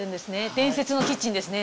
伝説のキッチンですね。